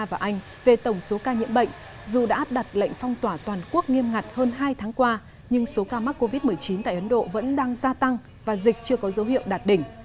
và anh về tổng số ca nhiễm bệnh dù đã áp đặt lệnh phong tỏa toàn quốc nghiêm ngặt hơn hai tháng qua nhưng số ca mắc covid một mươi chín tại ấn độ vẫn đang gia tăng và dịch chưa có dấu hiệu đạt đỉnh